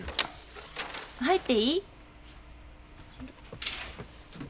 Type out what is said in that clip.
入っていい？